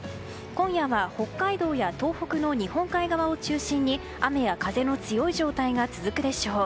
今夜は、北海道や東北の日本海側を中心に雨や風の強い状態が続くでしょう。